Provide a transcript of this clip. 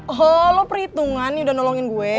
oh lo perhitungan nih udah nolongin gue